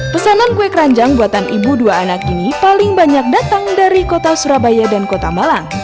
pesanan kue keranjang buatan ibu dua anak ini paling banyak datang dari kota surabaya dan kota malang